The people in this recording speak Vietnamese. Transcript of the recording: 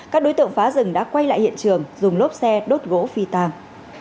các đối tượng phá rừng đã quay lại hiện trường dùng lốp xe đốt gỗ phi tàng